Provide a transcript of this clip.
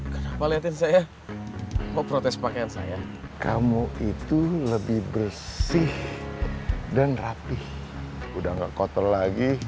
kenapa liatin saya mau protes pakaian saya kamu itu lebih bersih dan rapih udah gak kotor lagi